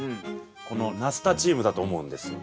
このナスタチウムだと思うんですよ。